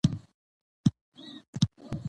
زه شاته پاتې شوم، هر څومره مې منډې وهلې،